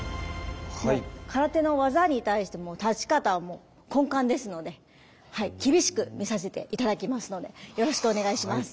空手の技に対して立ち方は根幹ですので厳しく見させて頂きますのでよろしくお願いします。